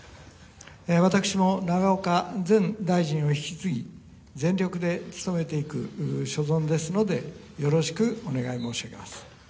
私も永岡前大臣より引き継ぎ全力で努めていく所存ですのでよろしくお願い申し上げます。